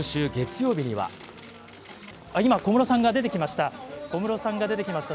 今、小室さんが出てきました。